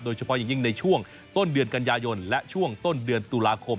โดยเฉพาะอย่างยิ่งในช่วงต้นเดือนกันยายนและช่วงต้นเดือนตุลาคม